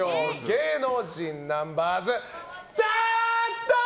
芸能人ナンバーズ、スタート！